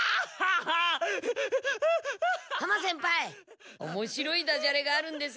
浜先輩おもしろいダジャレがあるんですが。